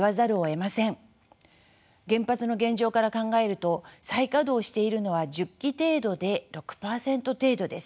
原発の現状から考えると再稼働しているのは１０基程度で６％程度です。